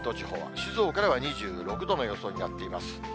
静岡では２６度の予想になっています。